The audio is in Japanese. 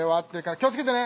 気をつけてね！